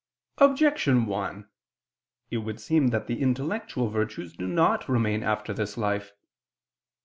Objection 1: It would seem that the intellectual virtues do not remain after this life.